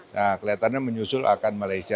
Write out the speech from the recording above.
nah kelihatannya menyusul akan malaysia